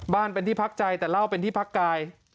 เป็นที่พักใจแต่เล่าเป็นที่พักกาย